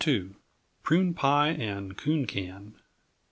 _Prune Pie and Coon can.